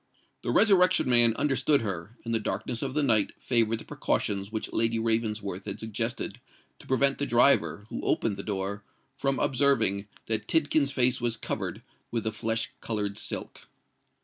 The Resurrection Man understood her; and the darkness of the night favoured the precautions which Lady Ravensworth had suggested to prevent the driver, who opened the door, from observing that Tidkins's face was covered with the flesh coloured silk.